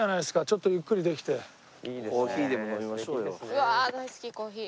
うわ大好きコーヒー。